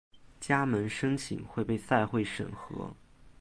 加盟申请会被赛会审核。